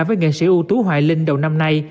với nghệ sĩ ưu tú hoài linh đầu năm nay